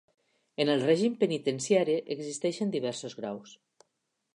En el règim penitenciari, existeixen diversos graus.